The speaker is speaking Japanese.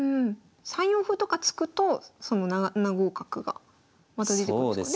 ３四歩とか突くとその７五角がまた出てくるんですか？